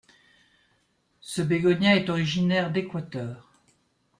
Ce bégonia est originaire d'Équateur.